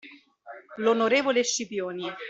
L’onorevole Scipioni.